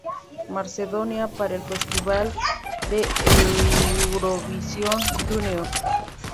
Macedonia para el Festival de Eurovisión Junior.